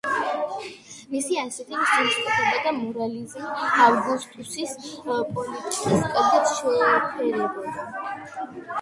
მისი ასეთი სულისკვეთება და მორალიზმი ავგუსტუსის პოლიტიკას კარგად შეეფერებოდა.